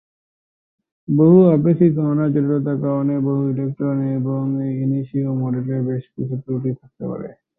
সম্পূর্ণ-আপেক্ষিক গণনার জটিলতার কারণে বহু-ইলেক্ট্রন এব-ইনিশিও মডেলে বেশ কিছু ত্রুটি থাকতে পারে।